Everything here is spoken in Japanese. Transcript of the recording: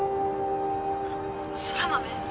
☎空豆？